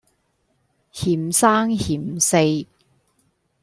嫌三嫌四